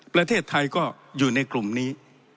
ประเทศไทยก็อยู่ในกลุ่มนี้